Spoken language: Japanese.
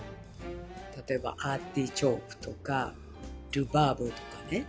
例えばアーティチョークとかルバーブとかね。